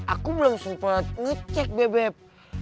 aku belum sempat ngecek bebek